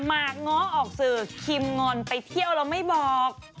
มากง้อออกสื่อคิมงอนไปเที่ยวแล้วไม่บอก